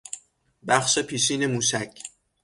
بخش پیشین موشک